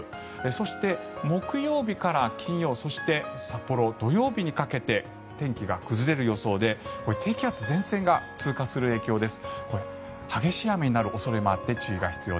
そして、木曜日から金曜そして札幌、土曜日にかけて天気が崩れる予想で低気圧、前線が通過する影響です。